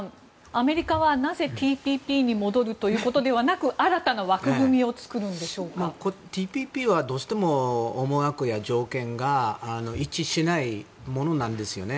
アメリカはなぜＴＰＰに戻るということではなく新たな枠組みをＴＰＰはどうしても条件や思惑が一致しないものなんですね。